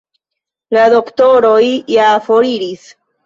La doktoroj ja foriris.